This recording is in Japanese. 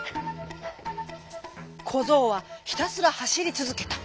こぞうはひたすらはしりつづけた。